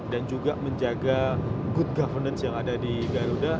dan juga menjaga good governance yang ada di garuda